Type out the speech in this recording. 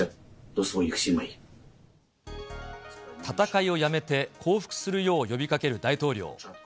戦いをやめて、降伏するよう呼びかける大統領。